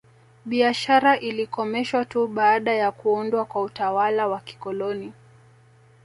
Biashara ilikomeshwa tu baada ya kuundwa kwa utawala wa kikoloni